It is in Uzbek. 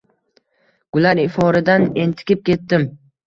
Gullar iforidan entikib ketdim